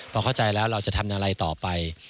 พอเข้าใจแล้วเราจะทำอะไรต่อไป